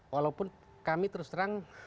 walaupun kami terus terang